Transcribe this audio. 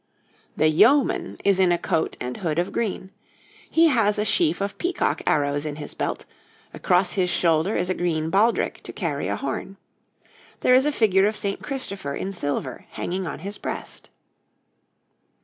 THE YEOMAN is in a coat and hood of green. He has a sheaf of peacock arrows in his belt; across his shoulder is a green baldrick to carry a horn. There is a figure of St. Christopher in silver hanging on his breast.